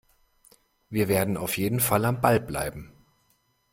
Wir werden auf jeden Fall am Ball bleiben.